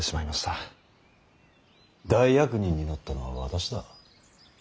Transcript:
大悪人になったのは私だ。